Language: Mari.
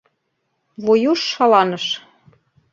Вуйуш шаланыш.